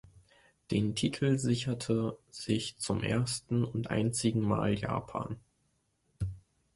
Den Titel sicherte sich zum ersten (und einzigen) Mal Japan.